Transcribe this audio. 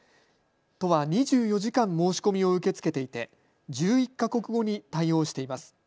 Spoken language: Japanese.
都は２４時間、申し込みを受け付けていて１１か国語に対応しています。